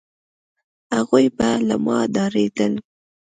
هغوی به له ما ډارېدل،